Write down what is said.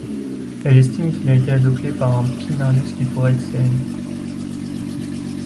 Elle estime qu'il a été adopté par un Pinarius qui pourrait être Cn.